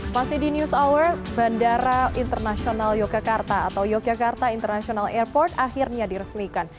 masih di news hour bandara internasional yogyakarta atau yogyakarta international airport akhirnya diresmikan